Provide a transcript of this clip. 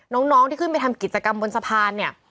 น้องที่ขึ้นไปทำกิจกรรมบนสะพานเนี่ย